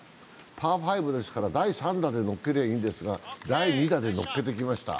パー５ですから第３打で乗っけりゃいいんですが第２打で乗っけてきました。